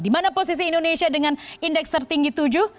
dimana posisi indonesia dengan indeks tertinggi tujuh